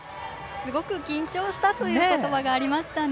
すごく緊張したという言葉がありましたね。